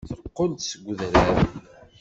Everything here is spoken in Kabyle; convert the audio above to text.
Teqqel-d seg udrar.